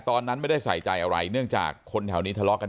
ตอนนั้นไม่ได้ใส่ใจอะไรเนื่องจากคนแถวนี้ทะเลาะกัน